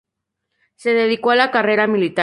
Se dedicó a la carrera militar.